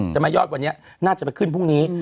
จะมายอดวันนี้น่าจะไปขึ้นพรุ่งนี้